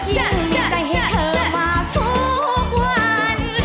ยิ่งมีใจให้เธอมากทุกวัน